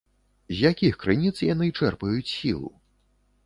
З якіх крыніц яны чэрпаюць сілу?